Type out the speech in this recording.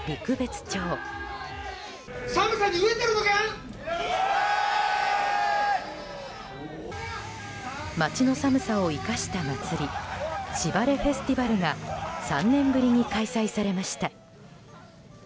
町の寒さを生かした祭りしばれフェスティバルが３年ぶりに開催されました。